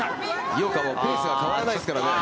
井岡もペースが変わらないですね。